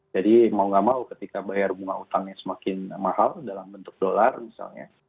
mau gak mau ketika bayar bunga utangnya semakin mahal dalam bentuk dolar misalnya